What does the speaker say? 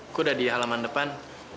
aku udah di halaman depan